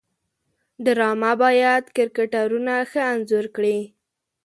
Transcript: ډرامه باید کرکټرونه ښه انځور کړي